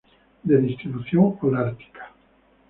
De distribución holártica.